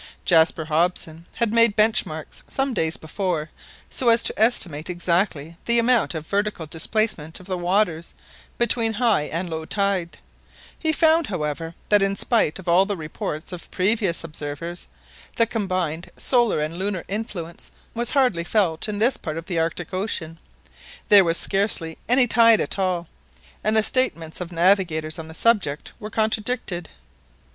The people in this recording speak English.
Jaspar Hobson had made bench marks some days before, so as to estimate exactly the amount of vertical displacement of the waters between high and low tide; he found, however, that in spite of all the reports of previous observers, the combined solar and lunar influence was hardly felt in this part of the Arctic Ocean. There was scarcely any tide at all, and the statements of navigators on the subject were contradicted.